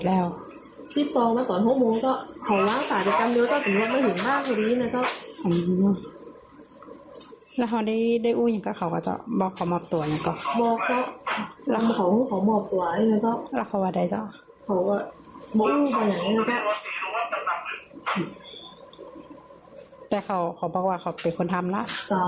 แล้วเธอก็บอกว่าเขาเป็นคนทำล่ะ